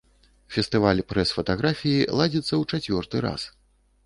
Фестываль прэс-фатаграфіі ладзіцца ў чацвёрты раз.